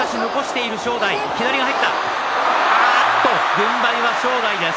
軍配は正代です。